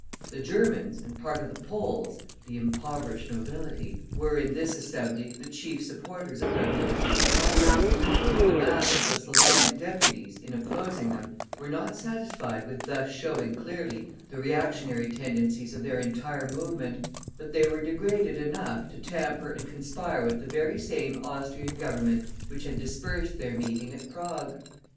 The Germans, and part of the Poles (the impoverished nobility), were in this Assembly the chief supporters of revolutionary progress; the mass of the Slavonic deputies, in opposing them, were not satisfied with thus showing clearly the reactionary tendencies of their entire movement, but they were degraded enough to tamper and conspire with the very same Austrian Government which had dispersed their meeting at Prague.